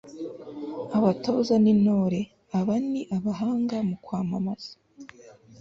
abatoza n'intore aba ni abahanga mu kwamamaza